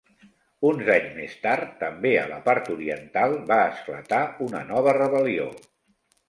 Uns anys més tard, també a la part oriental, va esclatar una nova rebel·lió.